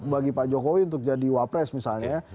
bagi pak jokowi untuk jadi wapres misalnya